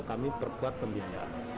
kami perkuat pembinaan